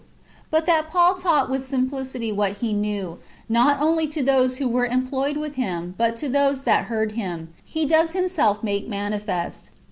But that Paul taught with simplicity wnat ne knew, not only to those who were [employed] with him, but to those that heard him, he does himself make manifest.